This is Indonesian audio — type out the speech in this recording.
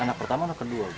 anak pertama atau kedua